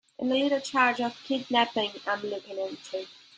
And a little charge of kidnapping I'm looking into.